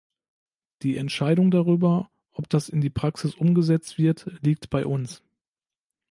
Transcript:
Die Entscheidung darüber, ob das in die Praxis umgesetzt wird, liegt bei uns.